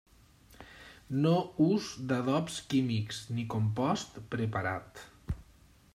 No ús d'adobs químics, ni compost preparat.